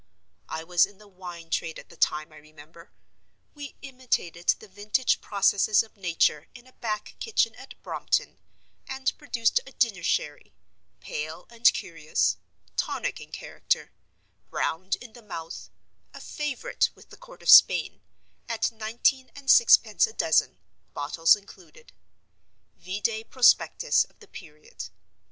I was in the Wine Trade at the time, I remember. We imitated the Vintage processes of Nature in a back kitchen at Brompton, and produced a dinner sherry, pale and curious, tonic in character, round in the mouth, a favorite with the Court of Spain, at nineteen and sixpence a dozen, bottles included—Vide Prospectus of the period.